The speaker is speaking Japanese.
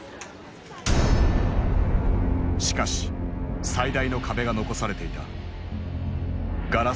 しかし最大の壁が残されていた。